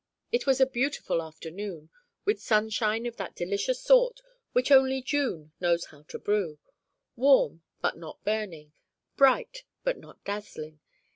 It was a beautiful afternoon, with sunshine of that delicious sort which only June knows how to brew, warm, but not burning; bright, but not dazzling.